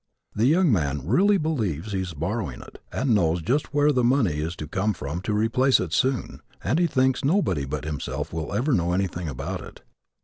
The young man really believes he is borrowing it and knows just where the money is to come from to replace it soon, and he thinks nobody but himself will ever know anything about it.